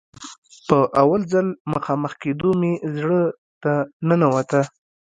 په اول ځل مخامخ کېدو مې زړه ته ننوته.